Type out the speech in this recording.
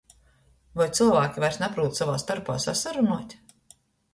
Voi cylvāki vairs naprūt sovā storpā sasarunuot?